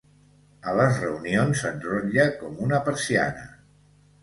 A les reunions, s'enrotlla com una persiana.